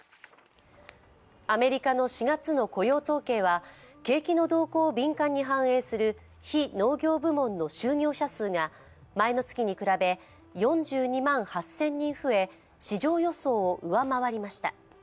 アメリカの４月の雇用統計は、景気の動向を敏感に反映する非農業部門の就業者数が前の月に比べ、４２万８０００人増え、市場予想を上回りました。